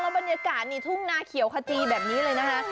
บรรยากาศนี่ทุ่งนาเขียวขจีแบบนี้เลยนะคะ